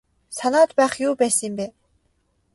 Санаад байх юу байсан юм бэ.